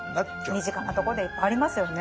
身近なところでいっぱいありますよね